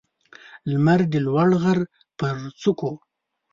لمر د لوړ غر پر څوکو